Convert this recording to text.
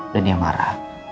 dan dia marah